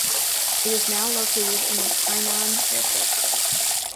It is now located in the Tainan Airport.